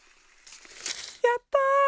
やった！